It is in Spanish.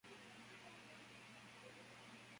Es conocida sus trabajos de poesía y novelas.